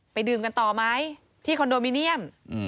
ดื่มกันต่อไหมที่คอนโดมิเนียม